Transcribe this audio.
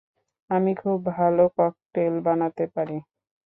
আমি খুব ভালো ককটেল বানাতে পারি।